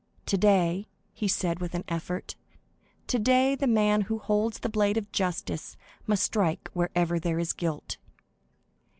"Today," he said with an effort,—"today the man who holds the blade of justice must strike wherever there is guilt."